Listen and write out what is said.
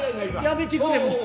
やめてくれもう。